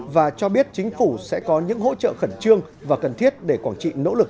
và cho biết chính phủ sẽ có những hỗ trợ khẩn trương và cần thiết để quảng trị nỗ lực